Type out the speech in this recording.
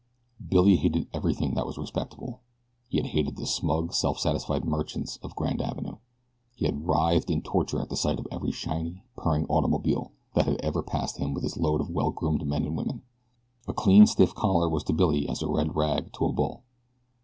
Billy hated everything that was respectable. He had hated the smug, self satisfied merchants of Grand Avenue. He had writhed in torture at the sight of every shiny, purring automobile that had ever passed him with its load of well groomed men and women. A clean, stiff collar was to Billy as a red rag to a bull.